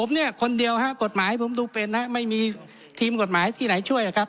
ผมเนี่ยคนเดียวฮะกฎหมายผมดูเป็นฮะไม่มีทีมกฎหมายที่ไหนช่วยครับ